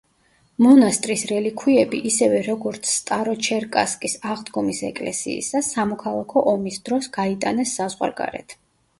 მონასტრის რელიქვიები, ისევე როგორც სტაროჩერკასკის აღდგომის ეკლესიისა, სამოქალაქო ომის დროს გაიტანეს საზღვარგარეთ.